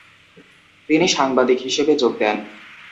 তিনি সাংবাদিক হিসেবে যোগ দেন।